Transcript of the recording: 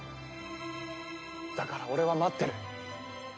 だから俺は待ってる。